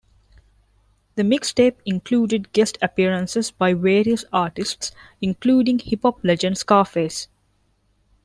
The mixtape included guest appearances by various artists, including hip-hop legend Scarface.